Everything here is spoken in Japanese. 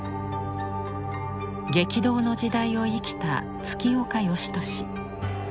激動の時代を生きた月岡芳年。